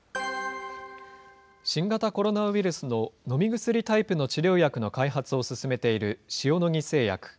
新型コロナウイルスの飲み薬タイプの治療薬の開発を進めている塩野義製薬。